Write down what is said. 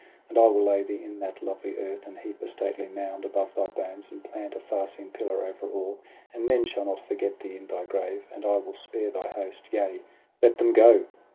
And I will lay thee in that lovely earth, And heap a stately mound above thy bones. And plant a far seen pillar over all. And men shall not forget thee in thy grave. And I will spare thy host ; yea, let them go